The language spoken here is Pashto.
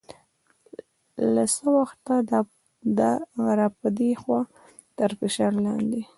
له څه وخته را په دې خوا تر فشار لاندې دی.